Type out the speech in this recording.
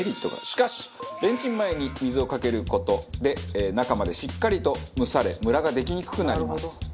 しかしレンチン前に水をかける事で中までしっかりと蒸されムラができにくくなります。